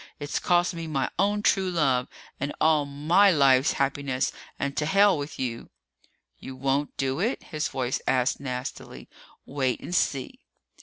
It's cost me my own true love and all my life's happiness and to hell with you!" "You won't do it?" his own voice asked nastily. "Wait and see!"